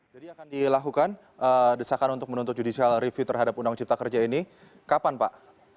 jadi akan dilakukan desakan untuk menuntut judicial review terhadap undang cipta kerja ini kapan pak